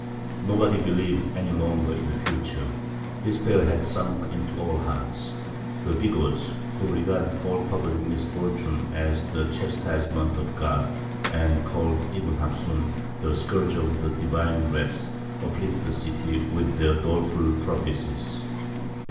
Nobody believed any longer in the future; despair had sunk into all hearts. The bigots, who regarded all public misfortunes as the chastisement of God, and called Ibn Hafsūn the scourge of the divine wrath, afflicted the city with their doleful prophecies.